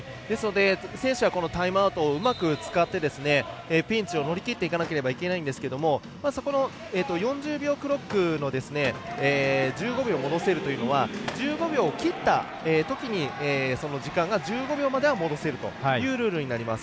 選手はタイムアウトをうまく使ってピンチを乗り切っていかなければいけないんですけれどもそこの４０秒クロックの１５秒戻せるというのは１５秒を切ったときに時間が１５秒までは戻せるというルールになります。